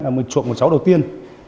mình chuộc một cháu đầu tiên